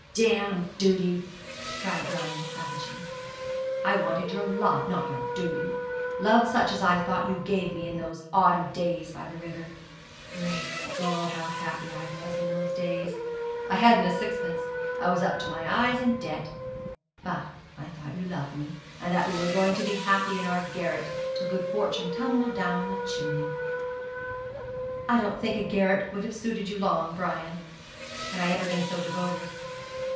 'Damn duty!' cried Brian, savagely. 'I wanted your love, not your duty love such as I thought you gave me in those autumn days by the river. Great God, how happy I was in those days! I hadn't a sixpence; I was up to my eyes in debt; but I thought you loved me, and that we were going to be happy in our garret till good fortune tumbled down the chimney.' 'I don't think a garret would have suited you long, Brian, had I been ever so devoted.